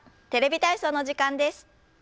「テレビ体操」の時間です。